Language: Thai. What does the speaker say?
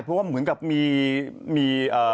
เพราะว่าเหมือนกับมีเอ่อ